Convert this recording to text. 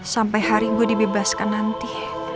sampai hari gue dibebaskan nanti